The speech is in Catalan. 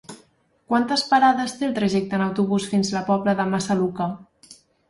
Quantes parades té el trajecte en autobús fins a la Pobla de Massaluca?